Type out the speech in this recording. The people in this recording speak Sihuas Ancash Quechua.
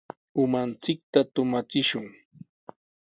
Umanchikta tumachishun.